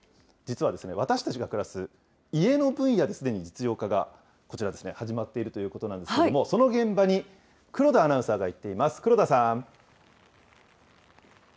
実は、私たちが暮らす家の分野ですでに実用化が、こちら、始まっているということなんですけれども、その現場に黒田アナウンサーが行っています。